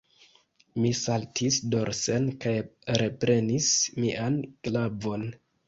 Mi saltis dorsen kaj reprenis mian glavon.